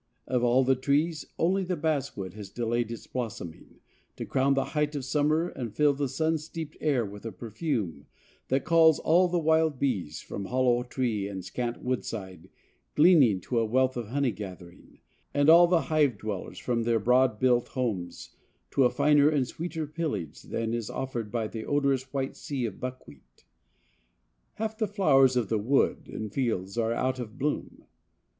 Of all the trees, only the basswood has delayed its blossoming, to crown the height of summer and fill the sun steeped air with a perfume that calls all the wild bees from hollow tree and scant woodside gleaning to a wealth of honey gathering, and all the hive dwellers from their board built homes to a finer and sweeter pillage than is offered by the odorous white sea of buckwheat. Half the flowers of wood and fields are out of bloom.